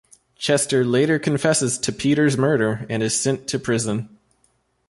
Chester later confesses to Peter's murder and is sent to prison.